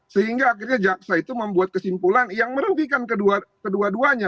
sehingga akhirnya jaksa itu membuat kesimpulan yang merugikan kedua duanya